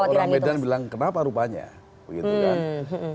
iya jadi kalau orang medan bilang kenapa rupanya begitu kan